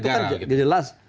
itu kan sudah jelas